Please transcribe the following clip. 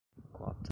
quota